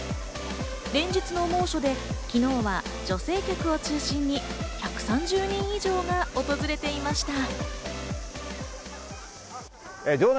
連日の猛暑で昨日は女性客を中心に１３０人以上が訪れていました。